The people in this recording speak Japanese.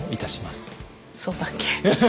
そうだっけ？